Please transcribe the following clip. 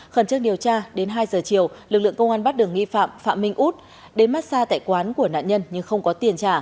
khẩn chức điều tra đến hai giờ chiều lực lượng công an bắt đường nghi phạm phạm minh út đến mát xa tại quán của nạn nhân nhưng không có tiền trả